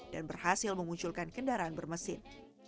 dan berhasil mengunculkan kendaraan bermesin